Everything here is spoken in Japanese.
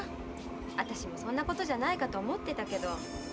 あたしもそんなことじゃないかと思ってたけど。